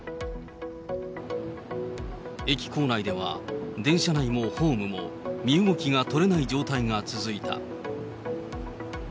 駅構内では、電車内もホームも、身動きが取れない状態が続いた。